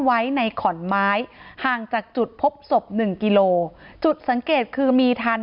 ไว้ในขอนไม้ห่างจากจุดพบศพหนึ่งกิโลจุดสังเกตคือมีทัน